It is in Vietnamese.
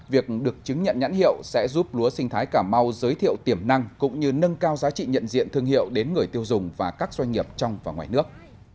việc được chứng nhận nhãn hiệu sẽ giúp lúa sinh thái cà mau giới thiệu tiềm năng cũng như nâng cao giá trị nhận diện thương hiệu đến người tiêu dùng và các doanh nghiệp trong và ngoài nước